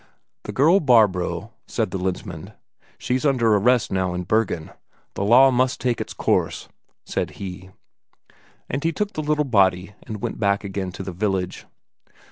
"The girl Barbro," said the Lensmand, "she's under arrest now in Bergen. The law must take its course," said he. And he took the little body and went back again to the village....